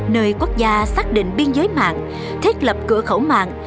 nơi quốc gia xác định biên giới mạng thiết lập cửa khẩu mạng